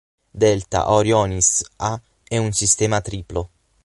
Delta Orionis A è un sistema triplo.